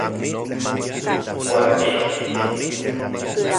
¿Kualtis...?